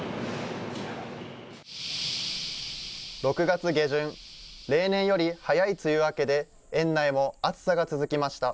６月下旬、例年より早い梅雨明けで、園内も暑さが続きました。